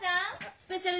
スペシャル？